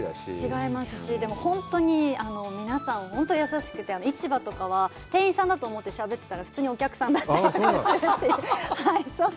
違いますし、でも本当に皆さん、本当に優しくて、市場とかは、店員さんだと思ってしゃべってたら、普通にお客さんだったりとかするっていう。